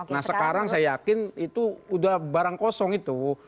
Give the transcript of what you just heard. nah sekarang saya yakin itu udah barang kosong itu